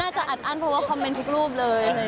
จะอัดอั้นเพราะว่าคอมเมนต์ทุกรูปเลย